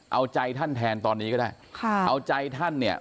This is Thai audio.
เอาใจท่านแทนตอนนี้ก็ได้ค่ะเอาใจท่านเนี่ย